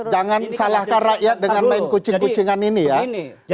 jangan salahkan rakyat dengan main kucing kucingan ini ya